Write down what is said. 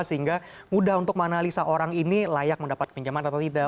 sehingga mudah untuk menganalisa orang ini layak mendapat pinjaman atau tidak